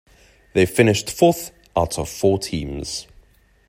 They finished fourth out of four teams.